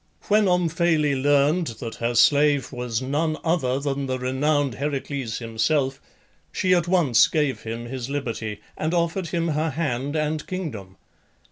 When Omphale learned that her slave was none other than the renowned Heracles himself she at once gave him his liberty, and offered him her hand and kingdom.